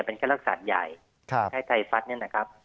เป็นแค่รักษาใหญ่แค่ไทฟัสนี่นะครับ